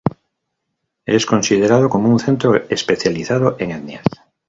Es considerado como un centro especializado en etnias.